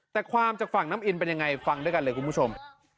แต่ความจากฝั่งน้ำอินเป็นยังไงฟังด้วยกันเลยคุณผู้ชม